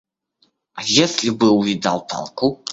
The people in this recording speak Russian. А если бы увидал палку?